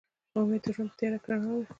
امید د ژوند په تیاره کې رڼا ده.